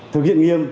thực hiện nghiêm